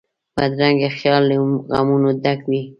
بدرنګه خیال له غمونو ډک وي